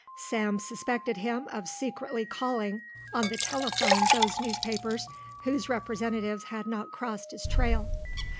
Sam suspected him of secretly calling on the telephone those newspapers whose representatives had not crossed his trail.